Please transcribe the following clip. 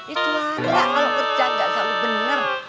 itu ada kalau kerja gak selalu benar